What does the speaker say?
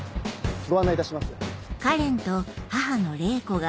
ご案内いたします。